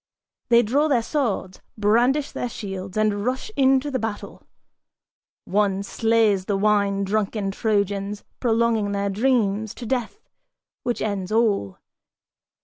They draw their swords, brandish their shields and rush into the battle. One slays the wine drunken Trojans, prolonging their dreams To death, which ends all.